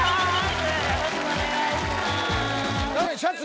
よろしくお願いします。